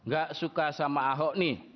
gak suka sama ahok nih